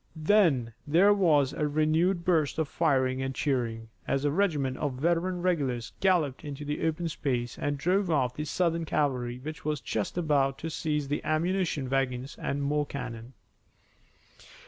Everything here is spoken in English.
Then there was a renewed burst of firing and cheering, as a regiment of veteran regulars galloped into the open space and drove off the Southern cavalry which was just about to seize the ammunition wagons and more cannon.